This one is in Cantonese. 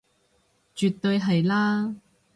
絕對係啦